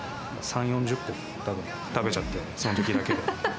３、４０個食べちゃって、そのときだけ。